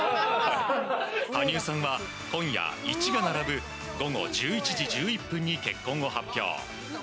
羽生さんは今夜、１が並ぶ午後１１時１１分に結婚を発表。